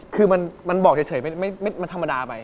คือมันบอกเฉยมันธรรมดาไป